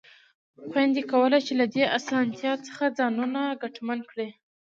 خویندې کولای شي له دې اسانتیا څخه ځانونه ګټمن کړي.